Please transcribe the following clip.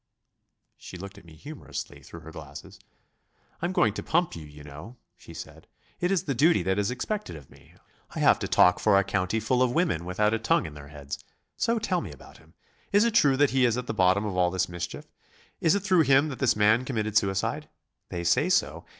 She looked at me humourously through her glasses. "I'm going to pump you, you know," she said, "it is the duty that is expected of me. I have to talk for a countyful of women without a tongue in their heads. So tell me about him. Is it true that he is at the bottom of all this mischief? Is it through him that this man committed suicide? They say so.